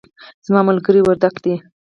زما ملګری وردګ دی